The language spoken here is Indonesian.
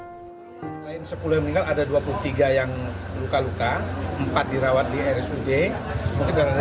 selain sepuluh yang meninggal ada dua puluh tiga yang luka luka empat dirawat di rsud